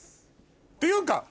っていうか。